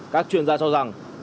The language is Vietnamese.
các chuyên gia cho rằng